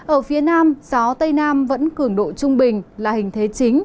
ở phía nam gió tây nam vẫn cường độ trung bình là hình thế chính